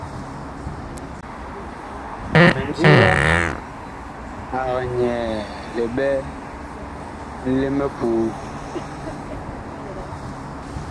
Mindiga ag nyɛɛ liɓɛ li mipuu.